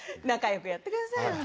仲よくやってください。